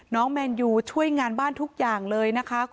น้องแมนยูช่วยงานบ้านทุกอย่างเลยนะคะคุณผู้ชม